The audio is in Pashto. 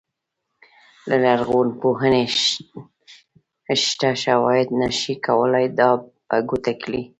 د لرغونپوهنې شته شواهد نه شي کولای دا په ګوته کړي.